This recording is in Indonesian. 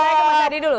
saya ke mas adi dulu